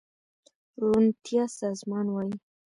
روڼتيا سازمان وايي